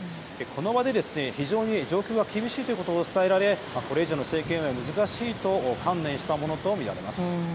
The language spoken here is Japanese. この場で非常に状況が厳しいということを伝えられこれ以上の政権運営は難しいと観念したものとみられます。